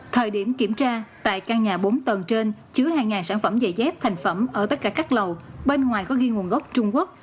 thời điểm kiểm tra tại căn nhà bốn tầng trên chứa hai sản phẩm dày dép thành phẩm ở tất cả các lầu bên ngoài có ghi nguồn gốc trung quốc